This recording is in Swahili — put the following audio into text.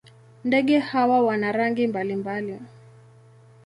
Ndege hawa wana rangi mbalimbali.